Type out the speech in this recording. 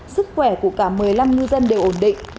sức khỏe của cả một mươi năm ngư dân đều ổn định